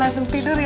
langsung tidur ya